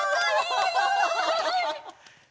すごい！